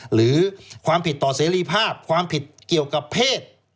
หรือความผิดต่อเสรีภาพความผิดเกี่ยวกับเพศ